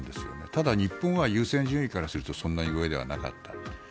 ただ、日本は優先順位からするとそんなに上ではなかった。